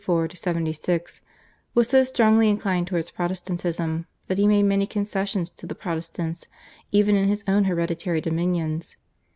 (1564 76) was so strongly inclined towards Protestantism that he made many concessions to the Protestants even in his own hereditary dominions.